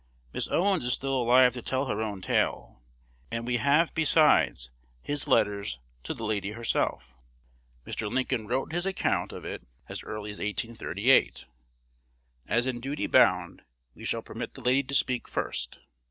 Miss Owens is still alive to tell her own tale, and we have besides his letters to the lady herself. Mr. Lincoln wrote his account of it as early as 1838. As in duty bound, we shall permit the lady to speak first.